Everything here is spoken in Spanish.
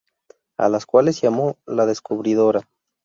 A las cuales llamó "La Descubridora".